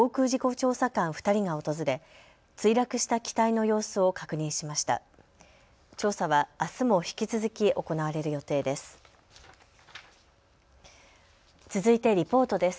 調査は、あすも引き続き行われる予定です。